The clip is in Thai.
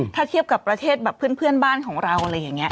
ถ้าเทียบกับประเทศแบบเพื่อนบ้านของเราอะไรอย่างนี้